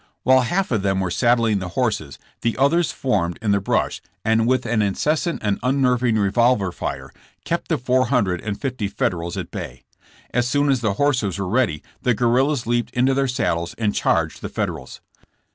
While half of them were saddling the horses the others formed in the hrush and with an incessant and un nerving revolver fire kept the four hundred and fifty Federals at bay. As soon as the horses w^ere ready the guerrillas leaped into their saddles and charged the Federals.